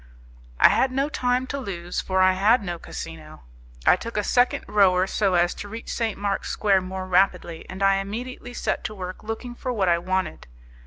I had no time to lose, for I had no casino. I took a second rower so as to reach St. Mark's Square more rapidly, and I immediately set to work looking for what I wanted.